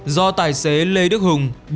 do tài xế lê đức hùng